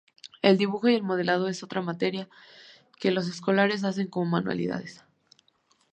El dibujo y el modelado es otra materia que los escolares hacen como manualidades.